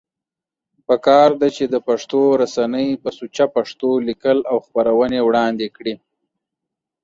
پکار ده چې دا پښتو رسنۍ په سوچه پښتو ليکل او خپرونې وړاندی کړي